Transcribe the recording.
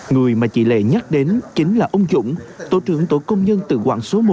người mà chị lệ nhắc đến chính là ông dũng tổ trưởng tổ công nhân tự quản số một